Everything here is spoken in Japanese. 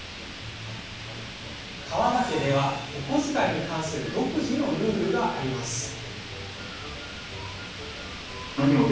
川田家では、お小遣いに関する独自のルールがあります。